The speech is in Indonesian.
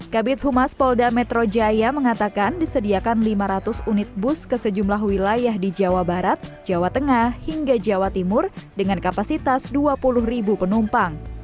kabit humas polda metro jaya mengatakan disediakan lima ratus unit bus ke sejumlah wilayah di jawa barat jawa tengah hingga jawa timur dengan kapasitas dua puluh ribu penumpang